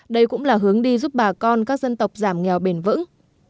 đây cũng là hướng đi giúp bà con các dân tộc giảm nghèo bền vững